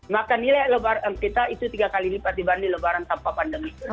maka nilai kita itu tiga kali lipat dibanding lebaran tanpa pandemi